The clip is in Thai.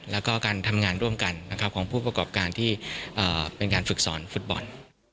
แล้วก็การทำงานร่วมกันนะครับของผู้ประกอบการที่เป็นการฝึกสอนฟุตบอล